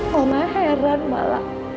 mama heran mala